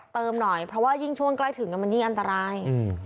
หน่อยเพราะว่ายิ่งช่วงใกล้ถึงมันยิ่งอันตราย